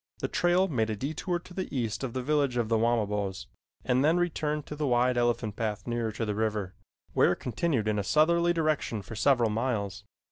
The trail made a detour to the east of the village of the Wamabos, and then returned to the wide elephant path nearer to the river, where it continued in a southerly direction for several miles.